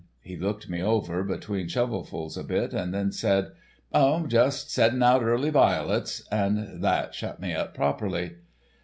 He looked me over between shovelfuls a bit, and then says: "'Oh, just setting out early violets;' and that shut me up properly.